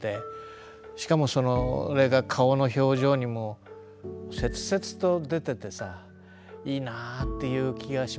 しかもそれが顔の表情にも切々と出ててさいいなぁっていう気がします。